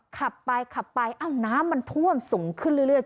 ขับไปขับไปเอ้าน้ำมันท่วมสูงขึ้นเรื่อย